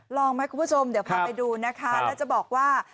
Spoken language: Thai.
ลองไหมคุณผู้ชมเดี๋ยวพาไปดูนะคะแล้วจะบอกว่า